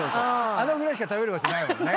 あのぐらいしか食べる場所ないもんね。